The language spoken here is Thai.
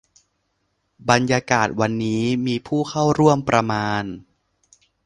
บรรยากาศวันนี้มีผู้เข้าร่วมประมาณ